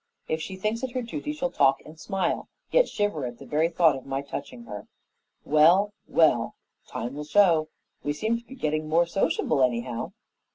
If she thinks it her duty, she'll talk and smile, yet shiver at the very thought of my touching her. Well, well, time will show. We seem to be getting more sociable, anyhow."